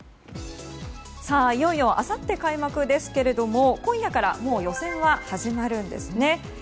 いよいよあさって開幕ですけど今夜から予選は始まるんですね。